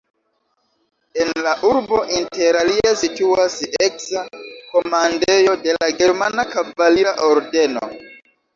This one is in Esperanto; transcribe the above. En la urbo interalie situas eksa komandejo de la Germana Kavalira Ordeno.